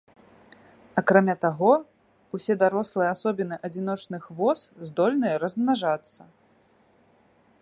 Акрамя таго, усе дарослыя асобіны адзіночных вос здольныя размнажацца.